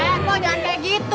eh kok jangan kayak gitu